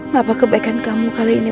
mengapa kebaikan kamu kali ini